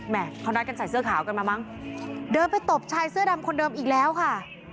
เขานัดกันใส่เสื้อขาวกันมามั้งเดินไปตบชายเสื้อดำคนเดิมอีกแล้วค่ะ